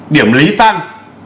điểm lý tăng